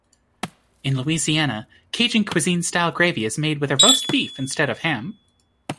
In Louisiana, Cajun cuisine-style gravy is made with a roast beef instead of ham.